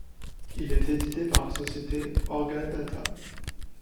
Il est édité par la société Orgadata.